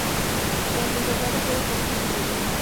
Durante el doblado puede ponerse su relleno.